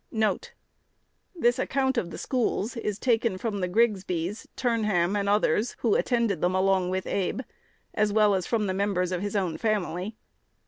1 The account of the schools is taken from the Grigsbys, Turnham, and others, who attended them along with Abe, as well as from the members of his own family.